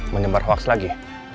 menyebar haks lagi